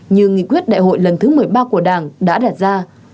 như nghị quyết đại hội lần thứ một mươi ba của đảng đã đặt ra